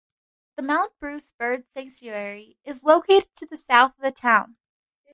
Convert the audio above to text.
The Mount Bruce bird sanctuary is located to the south of the town.